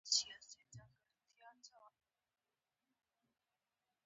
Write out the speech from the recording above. او، ورځ بیا د کور څخه